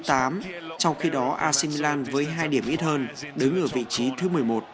trong khi đó ac milan với hai điểm ít hơn đứng ở vị trí thứ một mươi một